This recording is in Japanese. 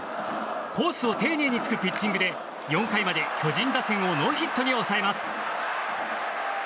コースを丁寧に突くピッチングで４回まで巨人打線をノーヒットに抑えます。